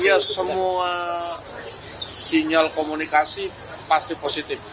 iya semua sinyal komunikasi pasti positif